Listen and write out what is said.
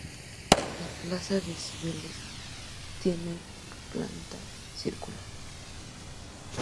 La plaza de Cibeles tiene planta circular.